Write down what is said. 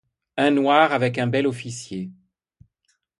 Un noir avec un bel officier.